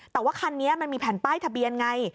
แต่ว่าคันนี้มันมีแผ่นป้ายทะเบียนไง